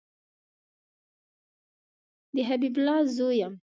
د حبیب الله زوی یم